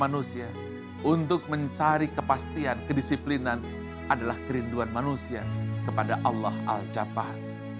manusia untuk mencari kepastian kedisiplinan adalah kerinduan manusia kepada allah al jabhah